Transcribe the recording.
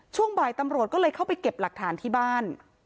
ช่วงบ่ายตำรวจก็เลยเข้าไปเก็บหลักฐานที่บ้าน